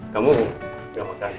kamu gak makan